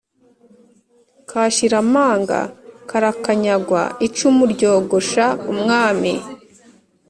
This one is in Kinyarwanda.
Kashira amanga karakanyagwa-Icumu ryogosha umwami.